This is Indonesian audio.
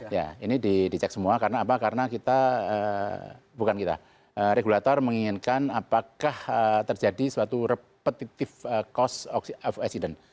ya ini dicek semua karena apa karena kita bukan kita regulator menginginkan apakah terjadi suatu repetitive cost of accident